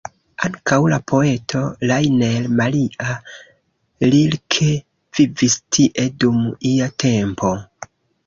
Ankaŭ la poeto Rainer Maria Rilke vivis tie dum ia tempo.